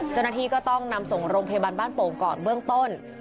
เจ้าหน้าที่ก็ต้องนำส่งโรงพยาบาลบ้านโป่งก่อนเบื้องต้น